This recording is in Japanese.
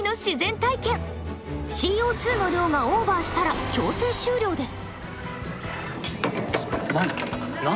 ＣＯの量がオーバーしたら強制終了です。